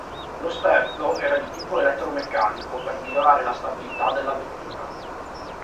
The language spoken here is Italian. Lo sterzo era di tipo elettromeccanico per migliorare la stabilità della vettura.